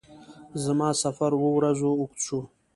زما سفر اووه ورځو اوږد شو.